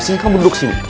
siapa kamu duduk sini